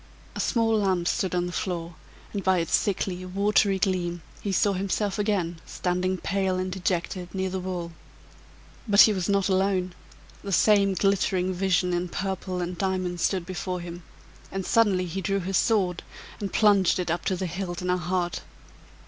A small lamp stood on the floor, and by its sickly, watery gleam, he saw himself again standing, pale and dejected, near the wall. But he was not alone; the same glittering vision in purple and diamonds stood before him, and suddenly he drew his sword and plunged it up to the hilt in her heart!